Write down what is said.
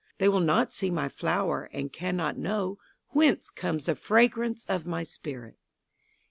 They will not see my flower, And cannot knowWhence comes the fragrance of my spirit!